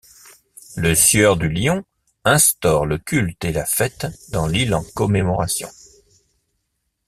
Le Sieur du Lion instaure le culte et la fête dans l'île en commémoration.